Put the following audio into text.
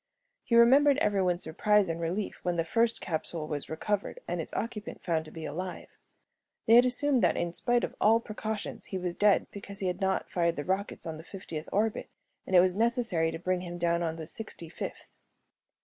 He remembered everyone's surprise and relief when the first capsule was recovered and its occupant found to be alive. They had assumed that in spite of all precautions he was dead because he had not fired the rockets on the fiftieth orbit and it was necessary to bring him down on the sixty fifth.